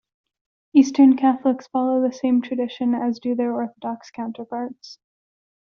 Eastern Catholics follow the same tradition as do their Orthodox counterparts.